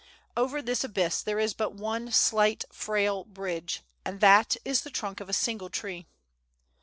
Over this abyss there is but one slight, frail bridge, and that is the trunk of a single tree.